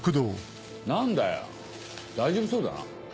何だよ大丈夫そうだな。